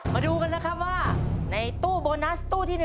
มาดูกันนะครับว่าในตู้โบนัสตู้ที่๑